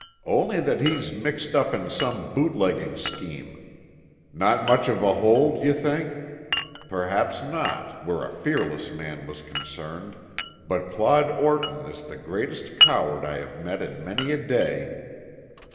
"Only that he's mixed up in some boot legging scheme. Not much of a hold, you think? Perhaps not, where a fearless man was concerned, but Claude Orton is the greatest coward I have met in many a day.